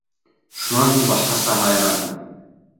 Шунан һуң башҡаса һайрарһың.